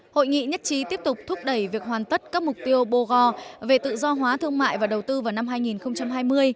hội nghị nhất trí tiếp tục thúc đẩy việc hoàn tất các mục tiêu bogore về tự do hóa thương mại và đầu tư vào năm hai nghìn hai mươi